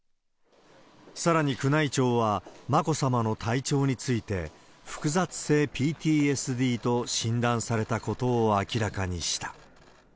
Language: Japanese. さらに宮内庁は、眞子さまの体調について、複雑性ＰＴＳＤと診断されたことを明らかにした。